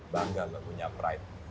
bangga lah punya pride